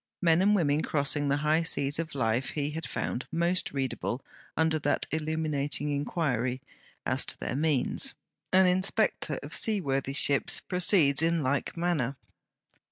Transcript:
Men and women crossing the high seas of life he had found most readable under that illuminating inquiry, as to their means. An inspector of sea worthy ships proceeds in like manner.